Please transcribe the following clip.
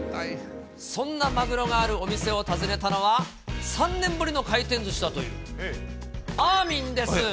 そんなマグロがあるお店を訪ねたのは、３年ぶりの回転ずしだという、あーみんです。